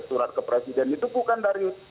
surat ke presiden itu bukan dari